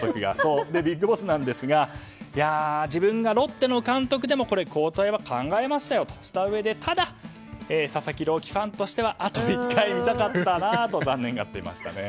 ＢＩＧＢＯＳＳなんですが自分がロッテの監督でも交代は考えましたよとしたうえで佐々木朗希ファンとしたらあと１回見たかったと残念がっていましたね。